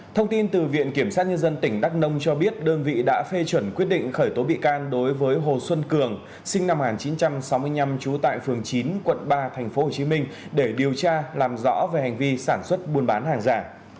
thông tin từ viện kiểm sát nhân dân tỉnh đắk nông cho biết đơn vị đã phê chuẩn quyết định khởi tố bị can đối với hồ xuân cường sinh năm một nghìn chín trăm sáu mươi năm trú tại phường chín quận ba tp hcm để điều tra làm rõ về hành vi sản xuất buôn bán hàng giả